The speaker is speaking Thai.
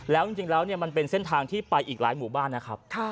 แล้วจริงแล้วมันเป็นเส้นทางที่ไปอีกหลายหมู่บ้านนะครับ